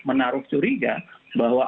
menaruh curiga bahwa